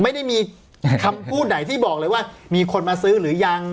ไม่ได้มีคำพูดไหนที่บอกเลยว่ามีคนมาซื้อหรือยัง